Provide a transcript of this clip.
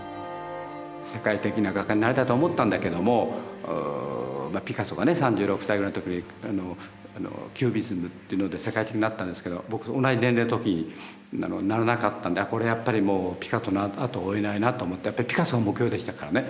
世界的な画家になりたいと思ったんだけどもピカソがね３６歳ぐらいの時にキュビスムっていうので世界的になったんですけど僕同じ年齢の時にならなかったんでこれやっぱりもうピカソのあとを追えないなと思ってやっぱりピカソ目標でしたからね。